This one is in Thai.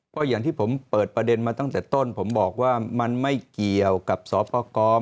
เพราะอย่างที่ผมเปิดประเด็นมาตั้งแต่ต้นผมบอกว่ามันไม่เกี่ยวกับสปกร